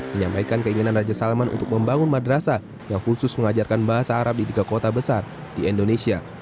menyampaikan keinginan raja salman untuk membangun madrasah yang khusus mengajarkan bahasa arab di tiga kota besar di indonesia